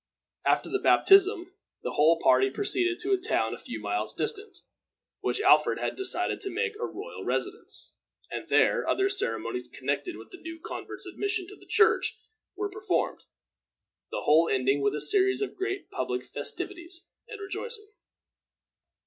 After the baptism the whole party proceeded to a town a few miles distant, which Alfred had decided to make a royal residence, and there other ceremonies connected with the new convert's admission to the Church were performed, the whole ending with a series of great public festivities and rejoicings.